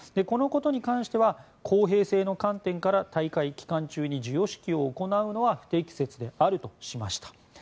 このことに関しては公平性の観点から大会期間中に授与式を行うのは不適切であるとしました。